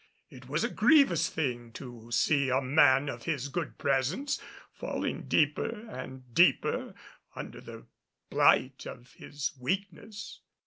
It was a grievous thing to see a man of his good presence falling deeper and deeper under the blight of his weakness.